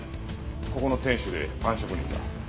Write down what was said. ここの店主でパン職人だ。